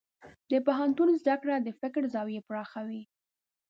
د پوهنتون زده کړه د فکر زاویې پراخوي.